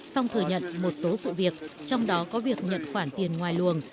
song thừa nhận một số sự việc trong đó có việc nhận khoản tiền ngoài luồng